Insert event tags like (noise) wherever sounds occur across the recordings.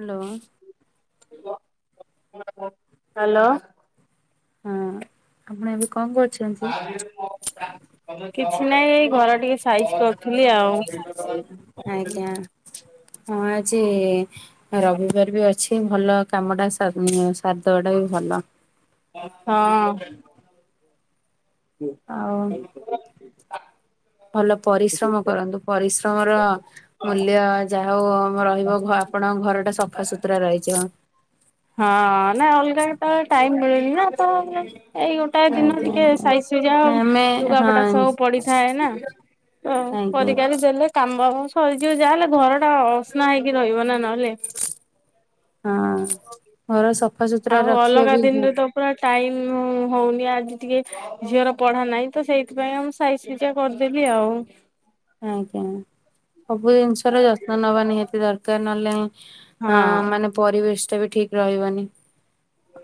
Hello. Hello. ହଁ, ଆପଣ ଏବେ କଣ କରୁଛନ୍ତି? କିଛି ନାଇଁ ଏଇ ଘର ଟିକେ ସାଇଜ କରୁଥିଲି ଆଉ। ଆଜ୍ଞା। ହଁ ଆ ଜି ଇ ରବିବାର ବି ଅଛି ଭଲ କାମଟା ସାର ଇଁ ସାରିଦବା ଟା ବି ଭଲ। ହଁ। ଆଉ ହୁଁ (unintelligible) ଭଲ ପରିଶ୍ରମ କରନ୍ତୁ। ପରିଶ୍ରମର ମୂଲ୍ୟ ଯାହା ହଉ ରହିବ ଆପଣଙ୍କ ଘରଟା ସଫାସୁତୁରା ରହିଯିବ। ହଁ, ନାଇଁ ଅଲଗା କେତବେଳେ ଟାଇମ ମିଳେନି ନା। ତ ଏଇ ଗୋଟା ଦିନ ଆଜ୍ଞା ଟିକେ ଆଜ୍ଞା। ସାଇଜ ସୁଜା ନା ଆମେ ଲୁଗାପଟା ହଁ ସବୁ ପଡିଥାଏ ନା। ହଁ, ଆଜ୍ଞା କରି କାରି ଦେଲେ କାମ ଫାମ ସରିଯିବ ଯାହା ହେଲେ ଘରଟା ଅସନା ହେଇକି ରହିବ ନା ନହେଲେ। ହଁ, ଘର ସ ଆଉ ଅଲଗା ଦିନରେ ତ ପୁରା ଟାଇମ ହଉନି ଆଜି ଟିକେ ଝିଅର ପଢା ନାହିଁ ତ, ସେଇଥିପାଇଁ ମୁଁ ସାଇଜ ସୁଜା କରଦେଲିି ଆଉ। ଆଜ୍ଞା। ସବୁ ଜିନଷର ଯତ୍ନ ନବା ନିହାତି ଦରକାର ନହେଲେ ଆଁ ହଁ। ମାନେ ପରିବେଶ ଟା ବି ଠିକ ରହିବନି।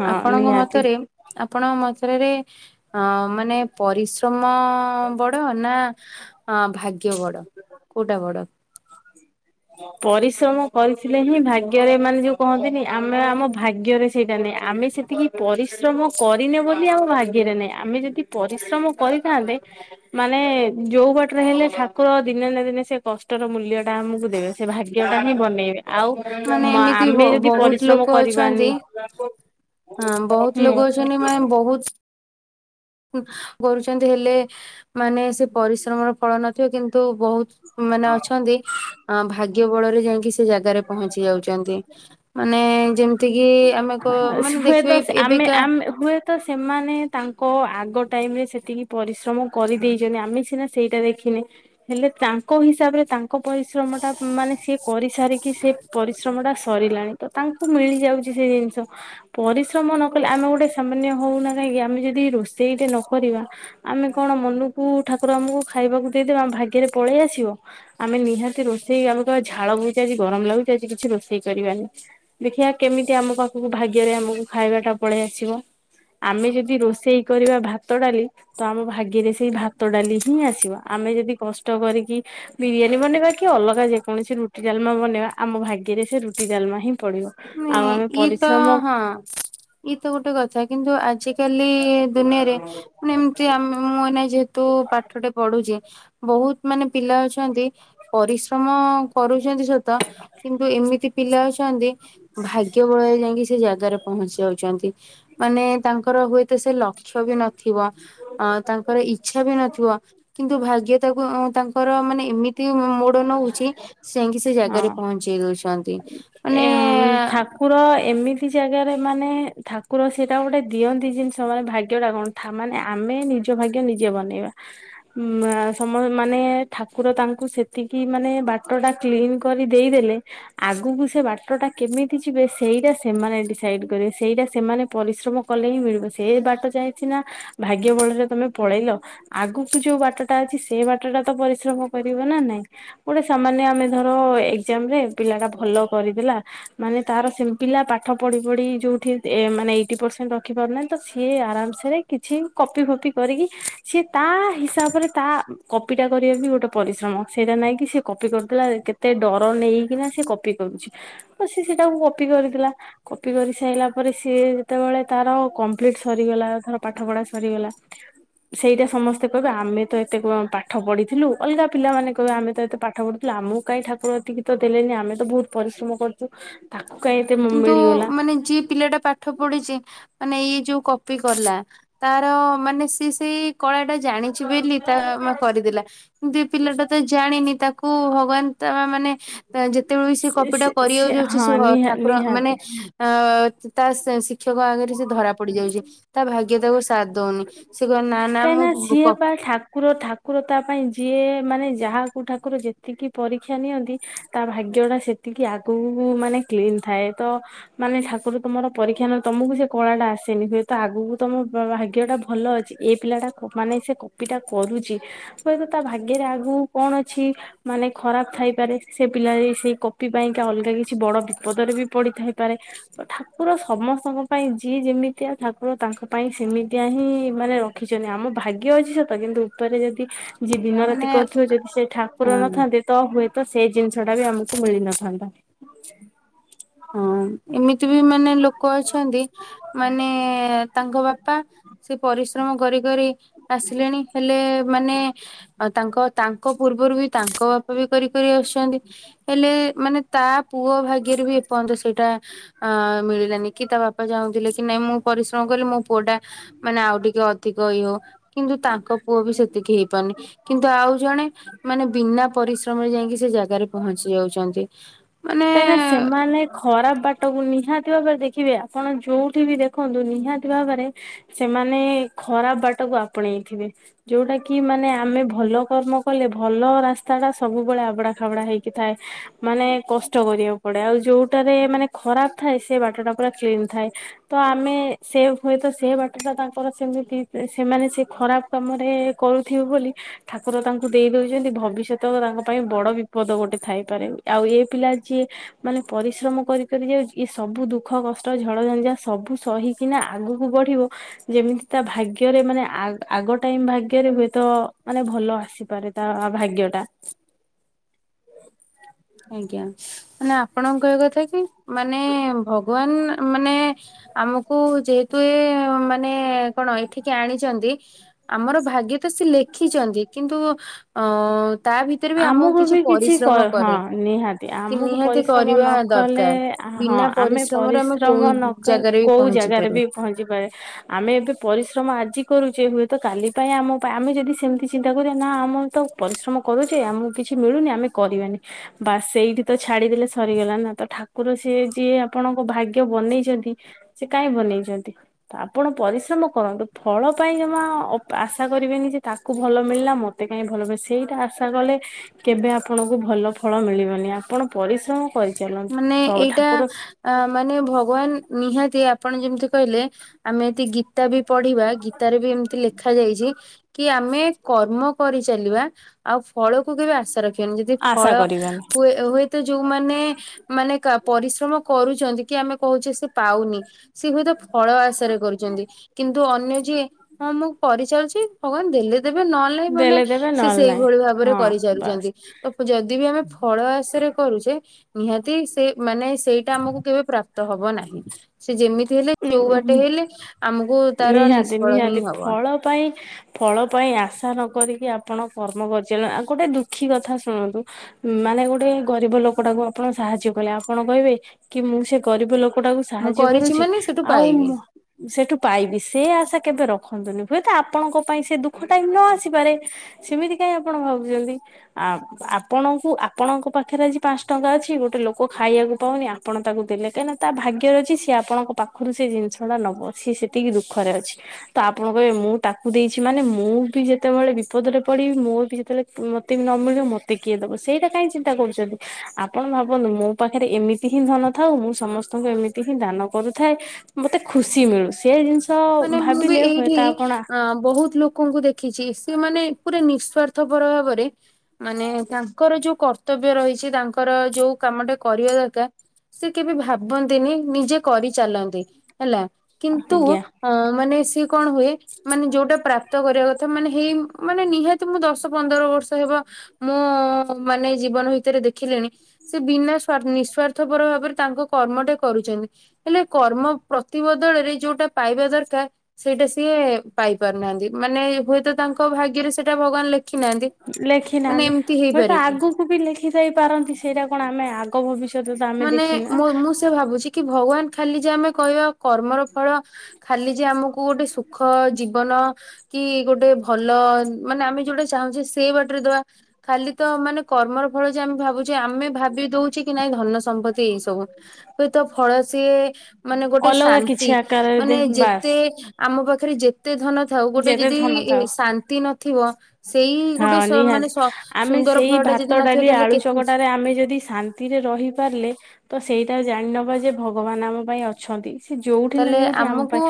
ହଁ ଆପଣଙ୍କ ନିହାତି ମତରେ ଆପଣଙ୍କ ମ (unintelligible) ଅଁ ମାନେ ପରିଶ୍ରମ ବଡ ନା ଭା ଗ୍ୟ ବଡ, କୋଉଟା ବଡ? ପରିଶ୍ରମ କରିଥିଲେ ହିଁ ଭାଗ୍ୟରେ ମାନେ ଯୋଉ କହନ୍ତିନି ଆମେ ଆମ ଭାଗ୍ୟରେ ସେଇଟା ନାଇଁ। ଆମେ ସେତିକି ପରିଶ୍ରମ କରିନେ ବୋଲି ଆମ ଭାଗ୍ୟରେ ନାହିଁ। ଆମେ ଯଦି ପରିଶ୍ରମ କରିଥାନ୍ତେ ମାନେ ଯୋଉ ବାଟରେ ହେଲେ ଠାକୁର ଦିନେ ନା ଦିନେ ସେ କଷ୍ଟର ମୂଲ୍ୟ ଟା ଆମକୁ ଦେବେ ସେ ଭାଗ୍ୟଟା ହିଁ ବନେଇବେ। ଆଉ ମାନେ ମ ଏମିତି ବ ଆମେ ଯଦି ବହୁତ ଲୋକ ପରିଶ୍ରମ ଅଛନ୍ତି କରିବାନି ହଁ ବହୁତ ଲୋକ ଅଛନ୍ତି ମାନେ ବହୁତ କରୁଛନ୍ତି, ହେଲେ ମାନେ ସେ ପରିଶ୍ରମର ଫଳ ନଥିବ କିନ୍ତୁ ବହୁତ ମାନେ ଅଛନ୍ତି ଅ ଭାଗ୍ୟ ବଳରେ ଯାଇକି ସେ ଜାଗାରେ ପହଞ୍ଚି ଯାଉଛନ୍ତି ମାନେ ଯେମତି କିି ଆମେ କ ମାନେ ହୁଏତ ଦେଖିବେ ସେ- ଏବେ ଆମେ ହୁଏତ ସେମାନେ ତାଙ୍କ ଆ ଆଗ ଟାଇମରେ ସେତିକି ପରିଶ୍ରମ କରିଦେଇଛନ୍ତି ଆମେ ସିନା ସେଇଟା ଦେଖିନେ ହେଲେ ତାଙ୍କ ହିସାବ ରେ ତାଙ୍କ ପରିଶ୍ରମ ଟା ମାନେ ସିଏ କରିସାରି କି ସେ ପରିଶ୍ରମ ଟା ସରିଲାଣି ତ ତାଙ୍କୁ ମିଳିଯାଉଛି ସେ ଜିନିଷ ପରିଶ୍ରମ ନ କଲେ ଆ ମେ ଗୋଟେ ସାମାନ୍ୟ ହଉନା କାହିଁକି ଆମେ ଯଦି ରୋଷେଇଟେ ନ କରିବା ଆମେ କଣ ମନୁକୁ ଠାକୁର ଆମକୁ ଖାଇବାକୁ ଦେଇଦେବା ଆମ ଭାଗ୍ୟରେ ପଳେଇ ଆସିବ, ଆମେ ନିହାତି ରୋଷେଇ ଆମ ଝାଳ ଭୋଇ ଯାଏ ଗରମ ଲାଗୁଛି ଆଜି କିଛି ରୋଷେଇ କରିବାନି ଦେଖିବା କେମିତି ଆମ ପାଖକୁ ଭାଗ୍ୟରେ ଆମକୁ ଖାଇବା ଟା ପଳେଇ ଆସିବ। ଆମେ ଯଦି ରୋଷେଇ କରିବା ଭାତ ଡାଲି, ତ ଆମ ଭାଗ୍ୟରେ ସେଇ ଭାତ ଡାଲି ହିଁ ଆସିବ। ଆମେ ଯଦି କଷ୍ଟ କରିକି ବିରିୟାନୀ ବନେଇବା କି ଅଲଗା ଯେକୌଣସି ରୁଟି ଡାଲ ମା ବନେଇବା ଆମ ଭାଗ୍ୟରେ ସେ ରୁଟି ଡାଲମା ହିଁ ପଡିବ। ଆଉ ଇଁ ଆମେ ଇଏ ତ ପରିଶ୍ରମ ହଁ ଇଏ ତ ଗୋଟେ କଥା କିନ୍ତୁ ଆଜି କାଲି ଦୁନିଆରେ ମେ ଏମିତି ଆମେ ମୁଁ ଏନା ଯେହେତୁ ପାଠଟେ ପଢୁଚି ବହୁତ ମାନେ ପିଲା ଅଛନ୍ତି ପରିଶ୍ରମ କରୁଛନ୍ତି ସତ, କିନ୍ତୁ ଏମିତି ପିଲା ଅଛନ୍ତି ଭାଗ୍ୟ ବଳରେ ଯାଇକି ସେ ଜାଗାରେ ପହଞ୍ଚି ଯାଉଛନ୍ତି। ମାନେ ତାଙ୍କର ହୁଏତ ସେ ଲକ୍ଷ୍ୟ ବି ନଥିବ ତାଙ୍କର ଇଛା ବି ନଥିବ କିନ୍ତୁ ଭାଗ୍ୟ ତାକୁ ତାଙ୍କର ମାନେ ଏମିତି ମୋଡ ନଉଛି, ସେ ଯାଇକି ସେ ଜାଗାରେ ପହଞ୍ଚେଇ ଦଉଛନ୍ତି। ମାନେ ଏମ୍ ଠାକୁର ଏମିତି ଜାଗାରେ ମାନେ ଠାକୁର ସେଟା ଗୋଟେ ଦିଅନ୍ତି ଜିନଷ ମାନେ ଭାଗ୍ୟ ଟା କଣ ମାନେ ଆମେ ନିଜ ଭାଗ୍ୟ ନିଜେ ବନେଇବା ସମ ମାନେ ଠାକୁର ତାଙ୍କୁ ସେତିକି ମାନେ ବାଟଟା କ୍ଲିନ କରି ଦେଇଦଲେ, ଆଗକୁ ସେ ବାଟଟା କେମିତି ଯିବେ ସେଇଟା ସେମାନେ ଡିସାଇଡ କରିବେ ସେଇଟା ସେମାନେ ପରିଶ୍ରମ କଲେ ହିଁ ମିଳିବ ସେଇ ବାଟ ଯାଇଛି ନା ଭାଗ୍ୟ ବଳରେ ତମେ ପଳେଇଲ, ଆଗକୁ ଯୋଉ ବାଟଟା ଅଛି ସେ ବାଟଟା ପରିଶ୍ରମ କରିବ ନା ନାଇଁ, ଗୋଟେ ସାମାନ୍ୟ ଆମେ ଧର ଏକ୍ସାମ୍ ରେ ପିଲାଟା ଭଲ କରିଦେଲା ତ ଲା ମାନେ ତାର ସେମ ପିଲା ପାଠ ପଢି ପଢି ଯୋଉଠି ଏ ମାନେ ଏଇଟି ପରସେଣ୍ଟ ରଖି ପାରୁନାହିଁ ତ ସେ ଏ ଆରାମସରେ କିଛି କପି ଫପି କରିକି ସିଏ ତା ହିସାବରେ ତା କ କପିଟା କରିବା ବି ଗୋଟେ ପରିଶ୍ରମ ସେଇଟା ନାଇଁକି ସେ କପି କରୁଥିଲା କେତେ ଡର ନେଇକିନା ସେ କପି କରୁଛି। ସେ ସେଟାକୁ କପି କରିଥିଲା କପି କରି ସାରିଲା ପରେ ସିଏ ଯେତେବେଳେ ତାର କମ୍ପ୍ଲିଟ ସରିଗଲାର ପାଠ ପଢା ସରିଗଲା ସେଇଟା ସମସ୍ତେ କହିବେ ଆମେ ତ ଏତେ କଣ ପାଠ ପାଠ ପଢିଥିଲୁ ଅଲଗା ପିଲାମାନେ କହିବେ ଆମେ ତ ଏତେ ପାଠ ପଢ଼ିଥିଲୁ ଆମକୁ କାଇଁ ଠାକୁର ଏତିକି ତ ଦେଲେନି ଆମେ ତ ବହୁତ ପରି ପରିଶ୍ରମ କରୁଛୁ ତା କିନ୍ତୁ ମାନେ ଯିଏ ପିଲା ଟା ପାଠ ପଢିଚି। ମାନେ ଏଇ ଯୋଉ କପି କଲା ତାର ମାନେ ସେ ସେଇ କଳାଟା ଜାଣିଛି ବୋଲି ତା ମା କରିଦେଲା କିନ୍ତୁ ଏ ପିଲାଟା ତ ଜାଣିନି ତାକୁ ଭଗବାନ ତା ମାନେ ଯେତେବେଳେ ବି ସେ କପିଟା କରିବାକୁ ଯାଉଛି ହଁ ସେ ନିହା ଠାକୁର ମାନେ ନିହାତି। ଅ ତା ସେ ସି ଶିକ୍ଷକ ଆଗରେ ସେ ଧରା ପଡି ଯାଉଛି ତା ଭାଗ୍ୟ ତାକୁ ସାଥ ଦଉନି ସେ କହିବ ନା ନା କାହିଁକି ସିଏ ମୁଁ ଠାକୁର ଠାକୁର ତା ପାଇଁ ଦିଏ ମାନେ ଯାହାକୁ ଠାକୁର ଯେତିକି ପରୀକ୍ଷା ନିଅନ୍ତି ତା ଭାଗ୍ୟଟା ସେତିକି ଆଗକୁ ମାନେ କ୍ଲିନ ଥାଏ। ତ ମାନେ ଠାକୁର ତମର ପରୀକ୍ଷା ନଉ ତମକୁ ସେ କଳାଟା ଆସେନି ହୁଏତ ଆଗକୁ ତମ ଭାଗ୍ୟ ଟା ଭଲ ଅଛି ଏ ପିଲାଟା ମାନେ ସେ କପି ଟା କରୁଚି ହୁଏତ ତା ଭାଗ୍ୟ ରେ ଆଗ କୁ କଣ ଅଛି ମାନେ ଖରାପ ଥାଇପାରେ ସେ ପିଲା ଲା ସେଇ କପି ପାଇଁକା ଅଲଗା କିଛି ବଡ ବିପଦରେ ବି ପଡିଥାଇପାରେ ତ ଠାକୁର ସମସ୍ତ ସ୍ତଙ୍କ ପାଇଁ ଯିଏ ଯେମିତିଆ ଠାକୁର ତାଙ୍କ ପାଇଁ ସେମିତିଆ ହିଁ ମାନେ ରଖିଛନ୍ତି ଆମ ଭାଗ୍ୟ ଅଛି। କିନ୍ତୁ ଉପରେ ଯଦି ଯିଏ ଦିନରାତି ମାନେ କରୁଥିବ ଯଦି ସେ ଠାକୁର ନଥାନ୍ତି ତ ହୁଏ ତ ସେଇ ଜିନିଷ ଟା ବି ଆମକୁ ମିଳିନଥାନ୍ତା। ହଁ ଏମିତି ବି ମାନେ ଲୋକ ଅଛନ୍ତି ମାନେ ତାଙ୍କ ବାପା ସେ ପରିଶ୍ରମ କରି କରି ଆସିଲେଣି ହେଲେ ମାନେ ତାଙ୍କ ତାଙ୍କ ପୂର୍ବରୁ ବି ତାଙ୍କ ବାପା ବି କରି କରି ଆସୁଛନ୍ତି ହେଲେ ମାନେ ତା ପୁଅ ଭାଗ୍ୟରେ ବି ପହନ୍ତ ସେଇଟା ଅ ମିଳିଲାନି କି ତା ବାପା ଚାହୁଁଥିଲେ କି ନାଇଁ ମୁଁ ପରିଶ୍ରମ କ ମୋ ପୁଅ ଟା ମାନେ ଆଉ ଟିକେ ଅଧିକ ଇଏ ହୋଉ। କିନ୍ତୁ ତାଙ୍କ ପୁଅ ବି ସେତିକି ହେଇପାରୁନି କିନ୍ତୁ ଆଉ ଜଣେ ମାନେ ବିନା ପରିଶ୍ରମରେ ଯାଇକି ସେ ଜାଗାରେ ପହଞ୍ଚି ଯାଉଛନ୍ତି। ମାନେ କାହିଁକିନା ସେମାନେ ଖରାପ ବାଟକୁ ନିହାତି ଭାବ ଦେଖିବେ ଆପଣ ଯୋଉଠି ବି ଦେଖନ୍ତୁ ନିହାତି ଭାବରେ ସେମାନେ ଖରାପ ବାଟ ଆପଣେଇଥିବେ ଯୋଉଟା କି ମାନେ ଆମେ ଭଲ କର୍ମ କଲେ ଭଲ ରାସ୍ତା ଟା ସବୁବେଳେ ଆବଡା ଖାବଡା ହେଇକିଥାଏ ମାନେ କ କଷ୍ଟ କରିବାକୁ ପଡେ ଆଉ ଯୋଉଟାରେ ମାନେ ଖରାପ ଥାଏ ସେ ବାଟଟା ପୁରା କ୍ଲିନ ଥାଏ ତ ଆମେ ସେ ହୁଏତ ସେ ବାଟଟା ତାଙ୍କର ସେମିତି ସେମାନେ ସେ ଖରାପ କାମରେ କରୁଥିବେ ବୋଲି ଠାକୁର ତାଙ୍କୁ ଦେଇଦଉଛନ୍ତି ଭବିଷ୍ୟତ ତାଙ୍କ ପାଇଁ ବଡ ବିପଦ ଗୋଟେ ଥାଇପାରେ ଆଉ ଏ ପିଲା ଯିଏ ମାନେ ପରିଶ୍ରମ କରି କରି ଯାଉ ସବୁ ଦୁଃଖ କଷ୍ଟ ଝଡଝଞ୍ଝା ସବୁ ସହିକିନା ଆଗକୁ ବଢିବ ଯେମିତି ତା ଭାଗ୍ୟରେ ମାନେ ଆଗ ଟାଇମ ଭାଗରେ ହୁଏ ତ ମାନେ ଭଲ ଆସିପାରେ ତା ଭାଗ୍ୟଟା। ଆଜ୍ଞା ମାନେ ଆପଣଙ୍କହ କଥା କି ମାନେ ଭଗବାନ ମାନେ ଆମକୁ ଯେହେତୁ ମାନେ କଣ ଏଠିକି ଆଣିଛନ୍ତି ଆମର ଭାଗ୍ୟ ତ ସେ ଲେଖିଛନ୍ତି କିନ୍ତୁ ଅ ତା ଭିତରେ ବି ଆମକୁ ବି କିଛି ପରିଶ୍ରମ ହଁ କରେ ନିହାତି କି ଆମକୁ ନିହାତି ପରିଶ୍ରମ କରିବା ନ କଲେ ଦରକାର। ହଁ ବିନା ଆମେ ପରିଶ୍ରମରେ ଆମେ କୋଉ ପରିଶ୍ରମ ନକ ଜାଗାରେ ବି କୋଉ ପହଞ୍ଚି ଜାଗାରେ ପାରିବା। ବି ପହଞ୍ଚିପାରେ ଆମେ ଏବେ ପରିଶ୍ରମ ଆଜି କରୁଛେ ହୁଏତ କାଲି ପାଇଁ ଆମ ପାଇଁ ଆମେ ଯଦି ସେମିତି ଚିନ୍ତା କରିବା ନା ଆମେ ତ ପରିଶ୍ରମ କରୁଛେ ଆମକୁ କିଛି ମିଳୁନି ଆମେ କରିବାନି ବା ସେଇଠି ତ ଛାଡିଦେଲେ ସରିଗଲା ନା ତ ଠାକୁର ସେ ଯିଏ ଆପଣଙ୍କ ଭାଗ୍ୟ ବନେଇଛନ୍ତି ସେ କାହିଁ ବନେଇଛନ୍ତି ଆପଣ ପରିଶ୍ରମ କର ରୁ ଫଳ ପାଇଁ ଜମା ଆଶା କରିବେନି ଯେ ତାକୁ ଭଲ ମିଳିଲା ମତେ କାଇହିଁ ଭଲ ମିଳ ସେଇଟା ଆଶା କଲେ କେବେ ଆପଣଙ୍କୁ ଭଲ ଫଳ ମିଳିବନି ଆପଣ ପରିଶ୍ରମ କରିଚାଲନ୍ତୁ। ମାନେ ସ ଏଇଟା ଠାକୁର ମାନେ ଭଗବାନ ନିହାତି ଆପଣ ଯେମିତି କହିଲେ ଆମେ ଯଦି ଗୀତା ବି ପଢିବା ଗୀତାରେ ବି ଏମତି ଲେଖା ଯାଇଛି କି ଆମେ କର୍ମ କରିଚାଲିବା ଆଉ ଫଳକୁ କେବେ ଆଶା ରଖିବନି ଯଦି ଆଶା ଫଳ କରିବେନି ହୁ ହୁଏତ ଯୋଉ ମାନେ ମାନେ ପରିଶ୍ରମ କରୁଛନ୍ତି କି ଆମେ କହୁଛେ ସେ ପାଉନି। ସେ ହୁଏତ ଫଳ ଆଶାରେ କରୁଛନ୍ତି କିନ୍ତୁ ଅନ୍ୟ ଯିଏ ହଁ ମୁଁ କରିଚାଲିଛି ଭଗବାନ ଦେଲେ ଦେବେ ନହେଲେ ମାନେ ଦେଲେ ଦେବେ ସେ ନହେଲେ ନାହିଁ ସେଇଭଳି ଭାବରେ ହଁ କରିଚାଲିଛନ୍ତି ବାସ୍ ତ ଯଦି ବି ଆମେ ଫଳ ଆଶା କରୁଛେ ନିହାତି ସେ ମାନେ ସେଇଟା ଆମକୁ କେବେ ପ୍ରାପ୍ତ ହବ ନାହିଁ ସେ ଯେମିତି ହେଲେ ଯୋଉ ବାଟେ ହେଲେ ଆମକୁ ତାର ନିହାତି ନିଷ୍ଫଳ ହିଁ ନିହାତି ହବ। ଫଳ ପାଇଁ ଫଳ ପାଇଁ ଆଶା ନକରିକୀ ଆପଣ କର୍ମ କରିଚ ଆଉ ଗୋଟେ ଦୁଃଖୀ କଥା ଶୁଣନ୍ତୁ। ମାନେ ଗୋଟେ ଗରିବ ଲୋକଟାକୁ ଆପଣ ସାହାଯ୍ୟ କଲେ ଆପଣ କହିବେ କି ମୁଁ ସେ ଗରିବ ଲୋକ କଟାକୁ ମୁଁ ସାହାଯ୍ୟ କରିଛି କରୁଛି ମାନେ ସେଠୁ ଆଉ ପାଇବି। ସେଠୁ ପାଇବି ସେ ଆଶା କେବେ ରଖନ୍ତୁନି ହୁଏତ ଆପଣଙ୍କ ପାଇଁ ସେ ଦୁଃଖ ଟା ହିଁ ନ ଆସିପାରେ ସେମିତି ଆପଣ ଭାବୁଛନ୍ତି ଆପଣଙ୍କୁ ଆପଣଙ୍କ ପାଖରେ ଆଜି ପାଞ୍ଚ ଟଙ୍କା ଅଛି ଗୋଟେ ଲୋକ ଖାଇବାକୁ ପାଉନି ଆପଣ ତାକୁ ଦେଲେ କାହିଁକିନା ତା ଭାଗ୍ୟରେ ଅଛି ସିଏ ଆପଣ ପାଖରୁ ସେ ଜିନିଷ ଟା ନବ ସି ସେତିକି ଦୁଃଖରେ ଅଛି ତ ଆପଣ କହିବେ ମୁଁ ତାକୁ ଦେଇଛି ମାନେ ମୁଁ ମୁଁ ବି ଯେତେବେଳେ ବିପଦରେ ପଡ଼ିବି ମୋର ବି ଯେତେବେଳେ ମୋତେ ବି ନ ମିଳିବ ମୋତେ କିଏ ଦବ ସେଇଟା କାହିଁ ଚିନ୍ତା କରୁଛ? ଯଦି ଆପଣ ଭାବନ୍ତୁ ମୋ ପାଖରେ ଏମିତି ହିଁ ଧନ ଥାଉ ମୁଁ ସମସ୍ତଙ୍କୁ ଏମିତି ହିଁ ଦାନ କରୁଥାଏ ମତେ ଖୁସି ମିଳୁ ସେ ଜିନିଷ ମାନେ ମୁଁ ବି ଭାବିଲେ ହୁଏତ ଏଇଠି ଆପଣ ଅ ବହୁତ ଲୋକଙ୍କୁ ଦେ ଖିଛି ସେମାନେ ପୁରା ନିଃସ୍ଵାର୍ଥପର ଭାବରେ ମାନେ ତାଙ୍କର ଯୋଉ କର୍ତ୍ତବ୍ୟ ରହି କିଛି ତାଙ୍କର ଯୋଉ କାମ ଟା କରିବା ଦରକାର ସେ କେବେ ଭାବନ୍ତିନି ନିଜେ କରିଚାଲନ୍ତି ହେଲା କିନ୍ତୁ ଆଜ୍ଞା ହଁ, ମାନେ ସିଏ କଣ ହୁଏ ମାନେ ଯୋଉଟା ପ୍ରାପ୍ତ କରିବା କଥା ମାନେ ହେଇ ମାନେ ନିହାତି ମୁଁ ଦଶ ପନ୍ଦର ବର୍ଷ ହେବ ମୁଁ ମାନେ ଜୀବନ ଭିତରେ ଦେଖିଲେଣି ସେ ବିନା ସ୍ୱା ନିଃସ୍ଵାର୍ଥପର ଭାବରେ ତାଙ୍କ କ କର୍ମଟେ କରୁଛନ୍ତି ହେଲେ କର୍ମ ପ୍ରତିବଦଳରେ ଯୋଉଟା ପାଇବା ଦରକାର ସେଇଟା ସିଏ ପାଇ ପାରୁନାହାନ୍ତି ମାନେ ହୁଏତ ତାଙ୍କ ଭାଗ୍ୟରେ ସେଇଟା ଭଗବାନ ଲେଖି ନାହାନ୍ତି। ଲେଖି ମାନେ ନାହାନ୍ତି ଏମିତି ହୁଏତ ହେଇପାରେ କି? ଆଗକୁ ବି ଲେଖିଥାଇ ପାରନ୍ତି ସେଇଟା କଣ ଆମେ ଆଗ ଭବିଷ୍ୟତ ତ ଆମେ ମାନେ ଦେଖିନି ନା। ମୁଁ ମୁଁ ସେ ଭାବୁଛି କି ଭଗବାନ ଖାଲି ଯେ ଆମେ କହିବା କର୍ମର ଫଳ ଖାଲି ଯେ ଆମକୁ ଗୋଟେ ସୁ ଖ ଜୀବନ କି ଗୋଟେ ଭଲ ଉଁ ମାନେ ଆମେ ଯୋଉଟା ଚାହୁଁଛେ ସେ ବାଟରେ ଦବା ଖାଲି ତ ମାନେ କର୍ମର ଫଳ ଯେ ଆମେ ଭାବୁଛେ ଆମେ ଭାବି ଦଉଛେ କି ନାଇଁ ଧନ ସମ୍ପତ୍ତି ଏଇ ସବୁ ହୁଏତ ଫଳ ସିଏ ମାନେ ଗୋଟେ ଅଲଗା ଶାନ୍ତି କିଛି ଆକାରରେ ଦେ ମାନେ ବାସ୍ ଯେତେ ଏ ଆମ ପାଖରେ ଯେ ତେ ଧନ ଥାଉ ଗୋଟେ ଯେତେ ଯଦି ଧନ ଥାଉ ଶାନ୍ତି ନଥିବ ସେଇ ଗୋଟେ ହଁ ସ ମାନେ ନିହାତି ସ ଆମେ ସୁନ୍ ସେଇ ଭାତ, ଡାଲି, ଆଳୁ ଚକଟାରେ ଆମେ ଯଦି ଶାନ୍ତିରେ ରହିପାରିଲେ ତ ସେଇଟା ଜାଣିନବା ଯେ ଭଗବାନ ଆମ ପାଇଁ ଅଛନ୍ତି। ସେ ଯୋଉଠି ନା ତାହେଲେ ଯୋଉଠି ଆମ ଆମକୁ ପାଇଁ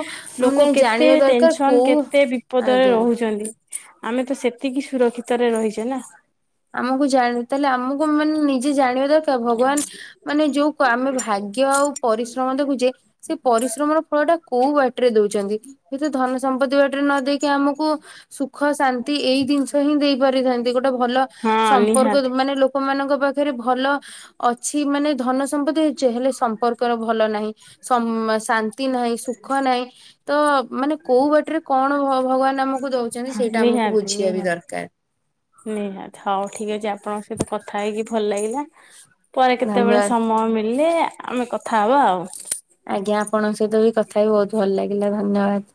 ଲୋକ ମାନେ କେତେ ଜାଣିବା ଦରକାର ଟେନସନ କେ କୋଉ ବିପଦରେ ଆଜ୍ଞା। ରହୁଛନ୍ତି ଆମେ ତ ସେତିକି ସୁରକ୍ଷିତରେ ରହିଛେ ନା। ଆମକୁ ତ ଭଗବାନ ମାନେ ଯୋଉ ଆମେ ଭାଗ୍ୟ ଆଉ ପରିଶ୍ରମ ଦେଖୁଛେ ସେ ପରିଶ୍ରମର ଫଳ ଟା କୋଉ ବାଟରେ ଦଉଛନ୍ତି? ଏଥିରେ ଧନ ସ ନ ଦେଇକି ଆମକୁ ସୁଖ ଶାନ୍ତି ଏଇ ଜିନିଷ ହିଁ ଦେଇ ପାରିଥାନ୍ତି ଗୋଟେ ଭଲ ହଁ ସମ୍ପର୍କ ନିହାତି। (unintelligible) ମାନେ ଲୋକମାନ ଙ୍କ ପାଖରେ ଭଲ ଅଛି ମାନେ ଧନ ସମ୍ପତ୍ତି (unintelligible) ହେଲେ ସମ୍ପର୍କର ଭଲ ନାହିଁ ସମ ଉଁ ମା ଶାନ୍ତି ନାହିଁ, ସୁଖ ନାହିଁ ତ ମାନେ କୋଉ ବାଟରେ କଣ ଭ ଭଗବାନ ଆମକୁ ଦଉଛନ୍ତି ହଁ ସେଇଟା ଆମକୁ ନିହାତି ବୁଝିବା ବି ନିହାତି ଦରକାର। ନିହାତି ହଉ ଠିକ ଅଛି ଆପଣଙ୍କ ସହିତ କଥା ହେଇକି ଭଲ ଲାଗିଲା ପରେ କେତେବେଳେ ଧନ୍ୟବାଦ ସମୟ ମି ଳିଲେ ଆମେ କଥା ହେବା ଆଉ। ଆଜ୍ଞା ଆପଣଙ୍କ ସହିତ ବି କଥା ବି ବହୁତ ଭଲ ଲାଗିଲା ଧନ୍ୟବାଦ।